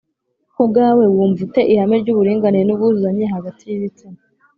ku bwawe wumva ute ihame ry’uburinganire n’ubwuzuzanye hagati y’ibitsina